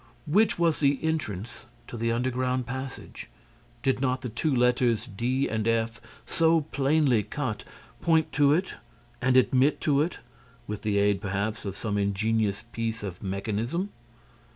Which was the entrance to the underground passage? Did not the two letters D and F, so plainly cut, point to it and admit to it, with the aid, perhaps, of some ingenious piece of mechanism?